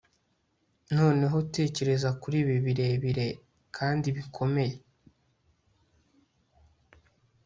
Noneho tekereza kuri ibi birebire kandi bikomeye